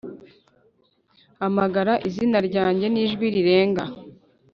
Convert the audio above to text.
hamagara izina ryanjye n'ijwi rirenga